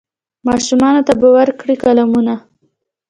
ماشومانو ته به ورکړي قلمونه